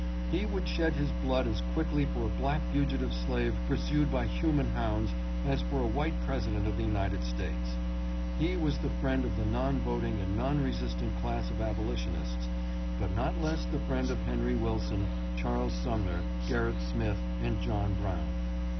He would shed his blood as quickly for a black fugitive slave pursued by human hounds as for a white Presi dent of the United States. He was the friend of the non voting and non resistant class of Abolitionists, but not less the friend of Henry Wilson, Charles Sumner, Gerrit Smith and John Brown.